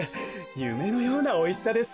ゆめのようなおいしさです。